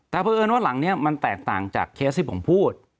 แต่เพราะเอิญว่าหลังนี้มันแตกต่างจากเคสที่ผมพูด